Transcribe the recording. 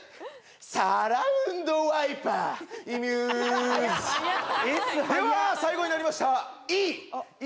サラウンドワイパーｉＭＵＳＥ「Ｓ」早っでは最後になりました「Ｅ」！